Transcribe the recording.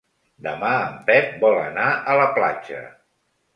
Demà en Pep vol anar a la platja.